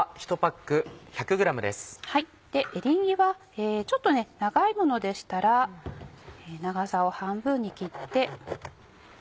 エリンギはちょっと長いものでしたら長さを半分に切って。